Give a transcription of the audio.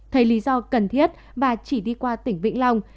thấy lý do cần thiết và chỉ đi qua tỉnh vĩnh long